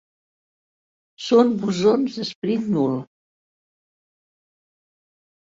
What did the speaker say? Són bosons d'espín nul.